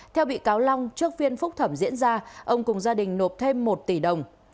theo bị cáo long trước phiên phúc thẩm diễn ra ông cùng gia đình nộp thêm một tỷ đồng